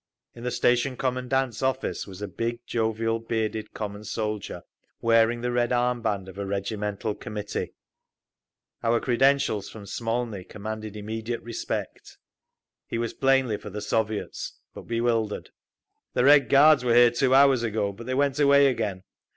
In the station commandant's office was a big, jovial, bearded common soldier, wearing the red arm band of a regimental committee. Our credentials from Smolny commanded immediate respect. He was plainly for the Soviets, but bewildered. "The Red Guards were here two hours ago, but they went away again.